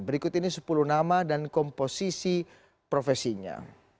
berikut ini sepuluh nama dan komposisi profesinya